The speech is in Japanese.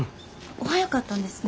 お早かったんですね。